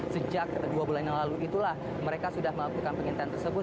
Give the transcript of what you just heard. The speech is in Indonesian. sejak dua bulan yang lalu itulah mereka sudah melakukan pengintian tersebut